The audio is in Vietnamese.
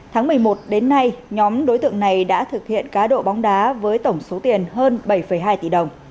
tháng một mươi một đến nay nhóm đối tượng này đã thực hiện cá độ bóng đá với tổng số tiền hơn bảy hai tỷ đồng